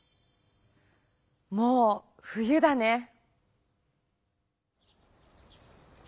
もう冬だね。